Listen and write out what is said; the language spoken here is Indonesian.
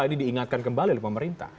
ini diingatkan kembali oleh pemerintah